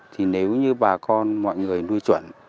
thì nếu như bà con mọi người nuôi chuẩn